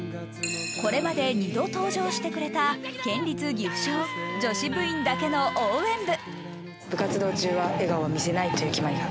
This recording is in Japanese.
これまで２度登場してくれた県立岐阜商女子部員だけの応援部。